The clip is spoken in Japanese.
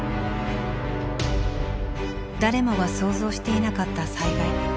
誰もが想像していなかった災害。